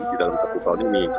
di dalam keputusan ini